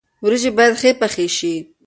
ورجې باید ښې پخې شي.